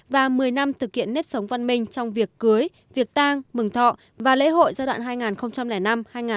và một mươi năm thực hiện nếp sống văn minh trong việc cưới việc tang mừng thọ và lễ hội giai đoạn hai nghìn năm hai nghìn một mươi tám